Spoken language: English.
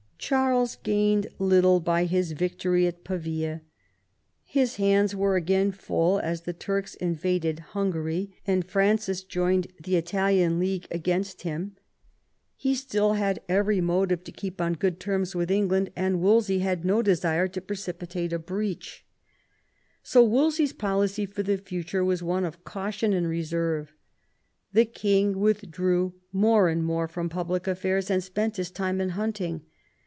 Charles gained little by his victory at Pavia His hands were again full, as the Turks invaded Hungary, and Francis joined the Italian League against him. He still had VII RENEWAL OP PEACE 121 every motive to keep on good terms with England, and Wolsey had no desire to precipitate a breacL So Wolsey's policy for the future was one of caution and reserve. The king withdrew more and more from public affairs, and spent his time in hunting.